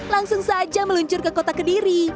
langsung saja meluncur ke kota kediri